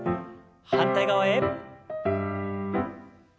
反対側へ。